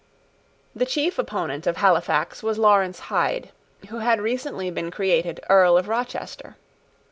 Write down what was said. The chief opponent of Halifax was Lawrence Hyde, who had recently been created Earl of Rochester.